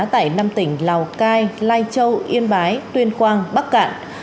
tại năm tỉnh lào cai lai châu yên bái tuyên quang bắc cạn